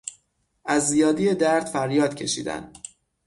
از زیادی درد فریاد کشیدن